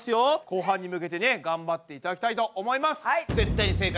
後半に向けてね頑張っていただきたいと思います。